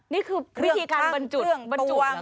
นี่คือเครื่องทั้งเครื่องตรวง